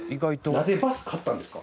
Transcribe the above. なぜバス買ったんですか？